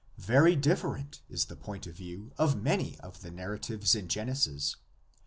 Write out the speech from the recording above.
Very different is the point of view of many of the narratives in Genesis.